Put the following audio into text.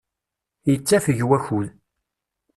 Yettafeg wakud.